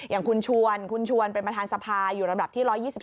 อย่างคุณชวนคุณชวนเป็นประธานสภาอยู่ลำดับที่๑๒๑